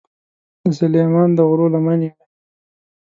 د سلیمان د غرو لمنې وې.